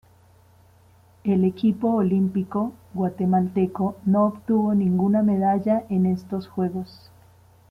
El equipo olímpico guatemalteco no obtuvo ninguna medalla en estos Juegos.